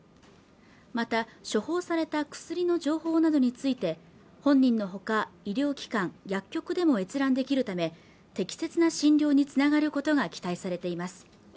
また処方された薬の情報などについて本人のほか医療機関、薬局でも閲覧できるため適切な診療につながることが期待されています